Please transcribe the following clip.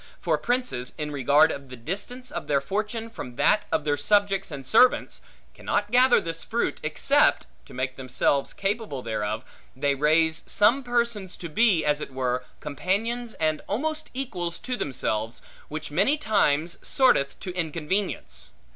For princes, in regard of the distance of their fortune from that of their subjects and servants, cannot gather this fruit, except (to make themselves capable thereof) they raise some persons to be, as it were, companions and almost equals to themselves, which many times sorteth to inconvenience.